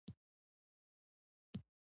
ښه خدمت د شهرت سبب کېږي.